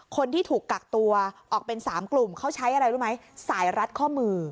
คนที่ถูกกักตัวออกเป็น๓กลุ่มเขาใช้อะไรรู้ไหมสายรัดข้อมือ